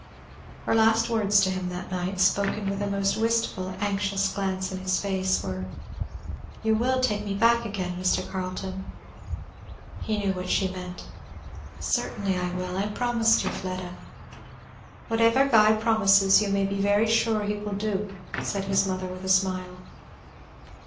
Her last words to him that night, spoken with a most wistful anxious glance into his face, were, "You will take me back again, Mr. Carleton?" He knew what she meant. "Certainly I will. I promised you, Fleda." "Whatever Guy promises you may be very sure he will do," said his mother with a smile.